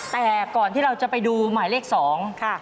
แต่ก่อนที่เราจะไปดูหมายเลขสองค่ะ